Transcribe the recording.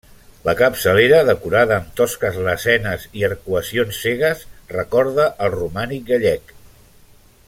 La capçalera, decorada amb tosques lesenes i arcuacions cegues, recorda al romànic gallec.